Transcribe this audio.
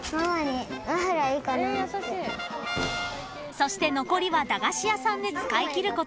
［そして残りは駄菓子屋さんで使い切ることに］